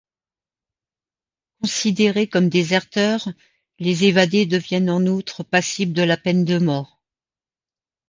Considérés comme déserteurs, les évadés deviennent en outre passibles de la peine de mort.